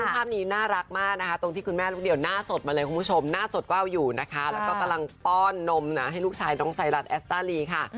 ภาพนี้น่ารักมากนะคะตรงที่คุณแม่ลูกเดียวหน้าสดมาเลยคุณผู้ชมหน้าสดก็เอาอยู่นะคะแล้วก็กำลังป้อนนมนะให้ลูกชายน้องไซรัสแอสตาลีค่ะ